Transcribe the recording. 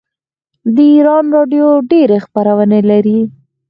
د ایران راډیو ډیرې خپرونې لري.